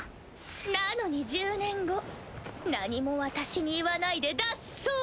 なのに１０年後何も私に言わないで脱走！